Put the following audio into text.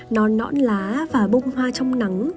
non nõn lá và bông hoa trong nắng